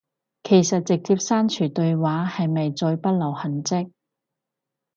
其實直接刪除對話係咪最不留痕跡